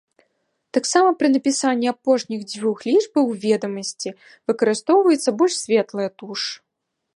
Таксама пры напісанні апошніх дзвюх лічбаў у ведамасці выкарыстоўваецца больш светлая туш.